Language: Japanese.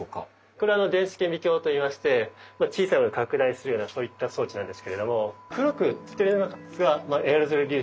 これ電子顕微鏡といいまして小さいものを拡大するようなそういった装置なんですけれども黒く映っているのがエアロゾル粒子になります。